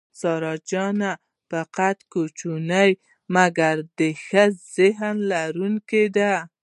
سارا جانه په قد کوچنۍ مګر د ښه ذهن لرونکې ده.